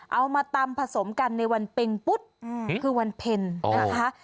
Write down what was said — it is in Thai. เอามาตำผสมกันในวันเป็งปุ๊ดคือวันเพ็ญนะคะ